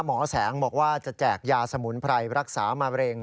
หมอแสงบอกว่าจะแจกยาสมุนไพรรักษามะเร็ง